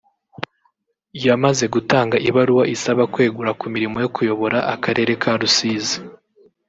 yamaze gutanga ibaruwa isaba kwegura ku mirimo yo kuyobora akarere ka Rusizi